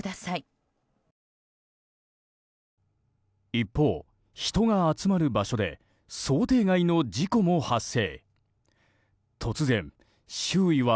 一方、人が集まる場所で想定外の事故も発生。